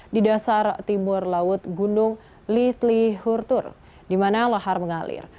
di dasar timur laut gunung litlihurtur di mana lahar mengalir